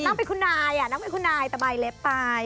นั่งไปคุณนายอะนั่งไปคุณนายตะไบเล็บไป